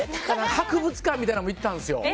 博物館みたいなところ行ったんですよ。